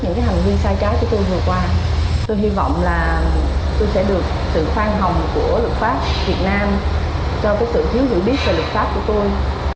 hãy bấm đăng kí cho kênh lalaschool để không bỏ lỡ những video hấp dẫn